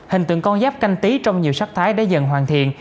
hình tượng con giáp canh tí trong nhiều sắc thái đã dần hoàn thiện